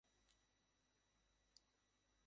সমুদ্রপৃষ্ঠ থেকে এলাকাটি উচ্চতায় অবস্থিত।